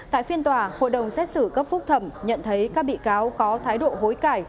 tại phiên tòa hội đồng xét xử cấp phúc thẩm nhận thấy các bị cáo có thái độ hối cãi